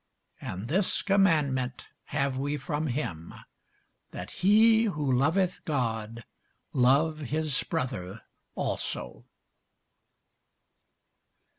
And this commandment have we from him, that he who loveth God love his brother also.